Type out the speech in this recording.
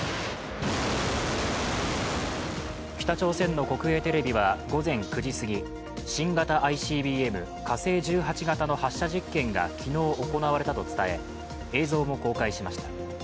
北朝鮮の国営テレビは午前９時すぎ新型ＩＣＢＭ、火星１８型の発射実験が昨日行われたと伝え、映像も公開しました。